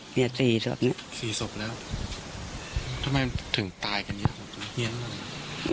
เพียงสี่สมสี่สมแล้วทำไมถึงตายแล้ว